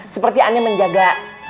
seperti ani menjaga